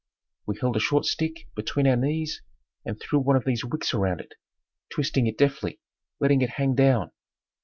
We held a short stick between our knees and threw one of these wicks around it, twisting it deftly, letting it hang down.